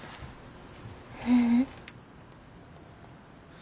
ううん。